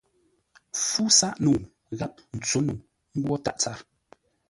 Fú sáʼ-nəu gháp ntsǒ-nəu ngwó tâʼ tsâr.